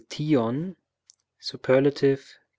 Superlative.